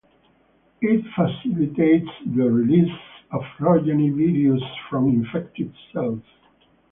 It facilitates the release of progeny viruses from infected cells.